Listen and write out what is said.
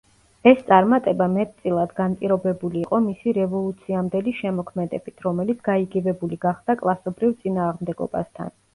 ეს წარმატება მეტწილად განპირობებული იყო მისი რევოლუციამდელი შემოქმედებით, რომელიც გაიგივებული გახდა კლასობრივ წინააღმდეგობასთან.